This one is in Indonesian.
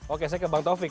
oke saya ke bang taufik